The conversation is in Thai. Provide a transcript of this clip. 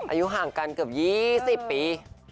อายุห่างกันเกือบ๒๐ปี